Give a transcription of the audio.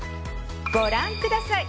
ご覧ください。